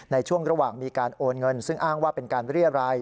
ในช่วงระหว่างมีการโอนเงินซึ่งอ้างว่าเป็นการเรียราย